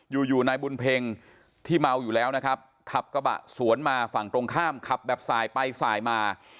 อยู่อยู่นายบุญเพ็งที่เมาอยู่แล้วนะครับขับกระบะสวนมาฝั่งตรงข้ามขับแบบสายไปสายมา